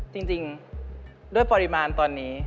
จริงด้วยปริมาณตอนนี้